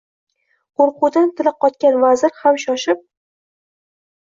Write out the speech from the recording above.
Qo’rquvdan tili qotgan vazir ham shoshib